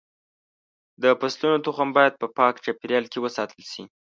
د فصلونو تخم باید په پاک چاپېریال کې وساتل شي.